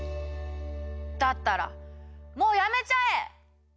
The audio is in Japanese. だったらもうやめちゃえ！